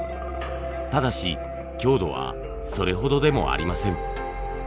ただし強度はそれほどでもありません。